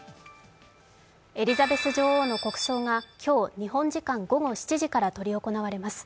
エリザベス女王の国葬が今日、日本時間午後７時から執り行われます。